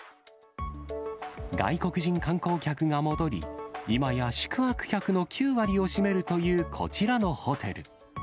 外国人観光客が戻り、今や宿泊客の９割を占めるというこちらのホテル。